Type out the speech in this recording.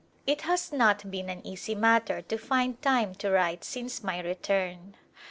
It has not been an easy matter to find time to write since my return.